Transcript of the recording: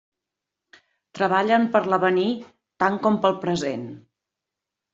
Treballen per l'avenir tant com pel present.